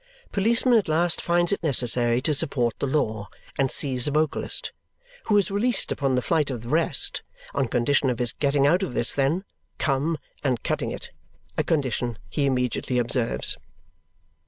Policeman at last finds it necessary to support the law and seize a vocalist, who is released upon the flight of the rest on condition of his getting out of this then, come, and cutting it a condition he immediately observes.